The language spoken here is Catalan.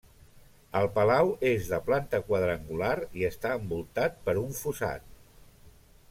El palau és de planta quadrangular i està envoltat per un fossat.